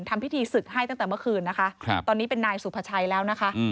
ทำพิธีศึกให้ตั้งแต่เมื่อคืนนะคะตอนนี้เป็นนายสุภาชัยแล้วนะคะ